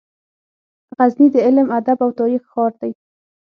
غزني د علم، ادب او تاریخ ښار دی.